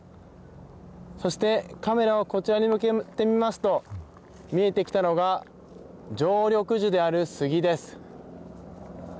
そしてカメラをこちらに向けてみますと見えてきたのが常緑樹であるスギです。